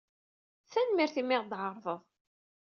Tanemmirt imi ay aɣ-d-tɛerḍeḍ.